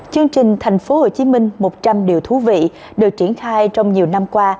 chương trình tp hcm một trăm linh điều thú vị được triển khai trong nhiều năm qua